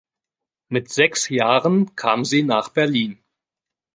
Mit sechs Jahren kam sie nach Berlin.